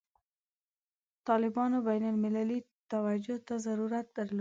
طالبانو بین المللي توجه ته ضرورت درلود.